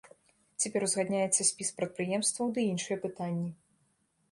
Цяпер узгадняецца спіс прадпрыемстваў ды іншыя пытанні.